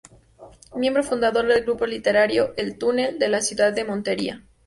Miembro fundador del grupo literario El Túnel, de la ciudad de Montería.